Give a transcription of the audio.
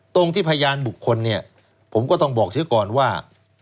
ตรงที่พยานบุคคลผมก็ต้องบอกเชื่อก่อนว่า